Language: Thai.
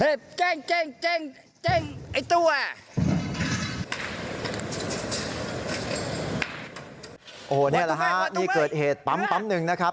นี่แหละฮะนี่เกิดเหตุปั๊มหนึ่งนะครับ